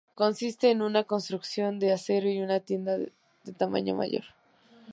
Consiste de una construcción de acero y una tienda de tamaño mayor.